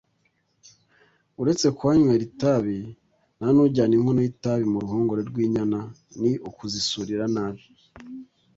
Uretse kuhanywera itabi nta n’ujyana inkono y’itabi mu ruhongore rw’inyana, ni ukuzisurira nabi